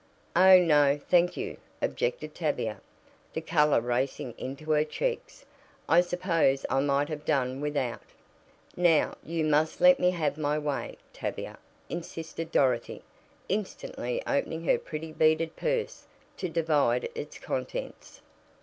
"Oh, no, thank you," objected Tavia, the color racing into her cheeks, "I suppose I might have done without " "Now, you must let me have my way, Tavia," insisted Dorothy, instantly opening her pretty beaded purse to divide its contents.